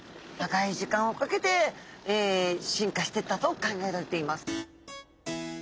長い時間をかけて進化していったと考えられています。